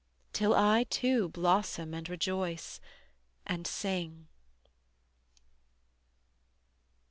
Till I too blossom and rejoice and sing.